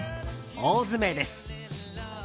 大詰めです。